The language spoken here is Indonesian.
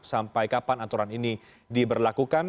sampai kapan aturan ini diberlakukan